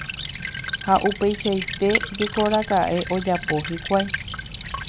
Ha upeichaite jekoraka'e ojapo hikuái.